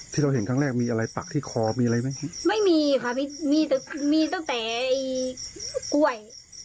ที่เราเห็นครั้งแรกมีอะไรปักที่คอมีอะไรไหมไม่มีค่ะไม่มีมีแต่มีตั้งแต่ไอ้กล้วย